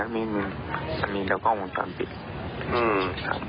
อันนั้นมีอันนั้นมีนักกล้องของตอนติดครับครับ